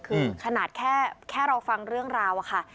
คือขนาดแค่เราฟังเรื่องราวอะค่ะ